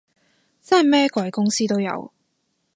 真係咩鬼公司都有